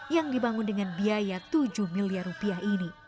yang dibangun dengan biaya tujuh rupiah